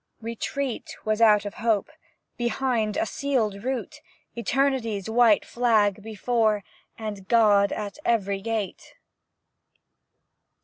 Retreat was out of hope, Behind, a sealed route, Eternity's white flag before, And God at every gate.